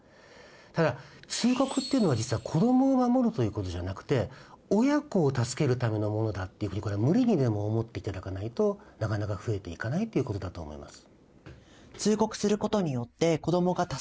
ただ通告っていうのは実は子どもを守るということじゃなくて親子を助けるためのものだっていうふうに無理にでも思っていただかないとなかなか増えていかないということだと思います。